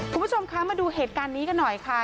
คุณผู้ชมคะมาดูเหตุการณ์นี้กันหน่อยค่ะ